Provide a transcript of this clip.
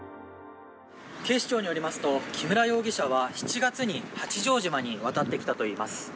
警視庁によりますと木村容疑者は７月に八丈島に渡ってきたといいます。